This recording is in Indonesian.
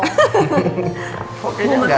mau makan nggak sih